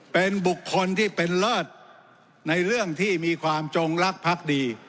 เป็นบุคคลที่เป็นเลิศในเรื่องที่มีความจงรักพักดี